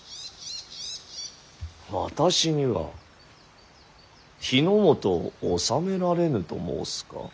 私には日本を治められぬと申すか。